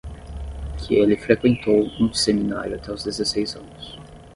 Que ele frequentou um seminário até os dezesseis anos.